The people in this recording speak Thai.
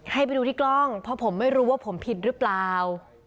ให้ไปดูที่กล้องเพราะผมไม่รู้ว่าผมผิดหรือเปล่า